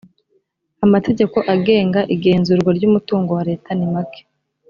amategeko agenga igenzurwa ry umutungo wa leta nimake.